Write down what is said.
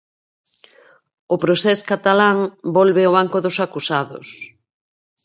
O Procés catalán volve ao banco dos acusados.